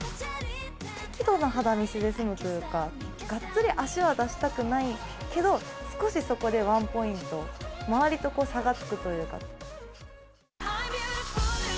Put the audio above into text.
適度な肌見せで済むというか、がっつり足は出したくないけど、少しそこでワンポイント、周りと差がつくというか。